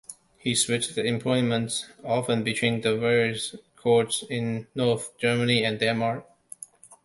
He switched employments often between the various courts in north Germany and Denmark.